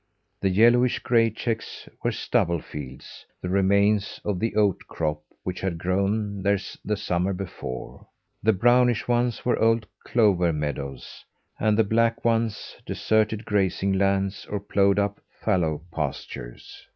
The yellowish gray checks were stubble fields the remains of the oat crop which had grown there the summer before. The brownish ones were old clover meadows: and the black ones, deserted grazing lands or ploughed up fallow pastures.